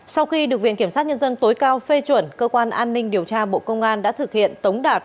sau khi được viện kiểm sát nhân dân tối cao phê chuẩn cơ quan an ninh điều tra bộ công an đã thực hiện tống đạt